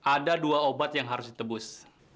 ada dua obat yang harus ditebus